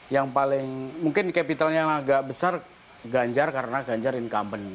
yang paling mungkin capitalnya yang agak besar ganjar karena ganjar incumbent